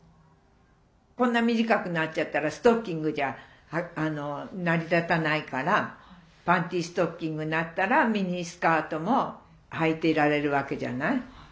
こんな短くなっちゃったらストッキングじゃ成り立たないからパンティストッキングになったらミニスカートもはいてられるわけじゃない？